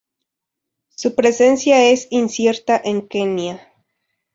Su presencia es incierta en Kenia.